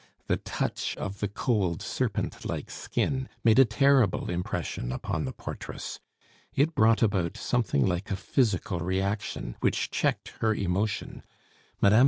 The touch of the cold, serpent like skin made a terrible impression upon the portress. It brought about something like a physical reaction, which checked her emotion; Mme.